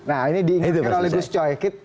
nah ini diingatkan oleh gus coy